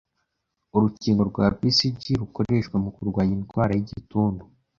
Urukingo rwa BCG rukoreshwa mu kurwanya indwara y'Igituntu